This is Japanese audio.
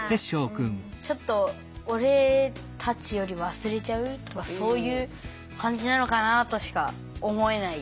ちょっと俺たちより忘れちゃう？とかそういう感じなのかなとしか思えない。